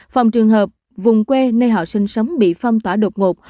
phòng trường hợp vùng quê nơi họ sinh sống bị phong tỏa đột ngột